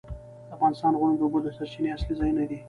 د افغانستان غرونه د اوبو د سرچینو اصلي ځایونه دي.